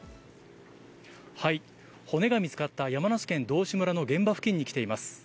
骨が見つかった山梨県道志村の現場付近に来ています。